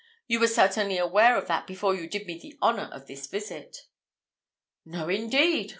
You were certainly aware of that before you did me the honour of this visit." "No, indeed!"